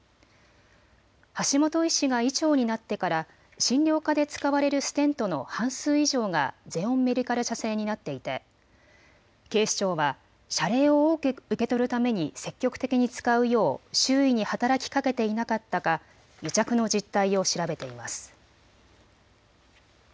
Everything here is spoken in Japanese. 橋本医師が医長になってから診療科で使われるステントの半数以上がゼオンメディカル社製になっていて警視庁は謝礼を多く受け取るために積極的に使うよう周囲に働きかけていなかったか癒着の実態を調べています。